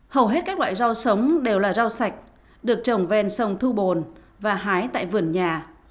hầu hết các loại rau sống đều là rau sạch được trồng ven sông thu bồn và hái tại vườn nhà